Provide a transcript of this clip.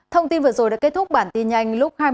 thông tin vừa rồi đã kết thúc bản tin nhanh lúc hai mươi h